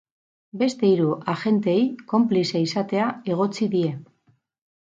Beste hiru agenteei konplize izatea egotzi die.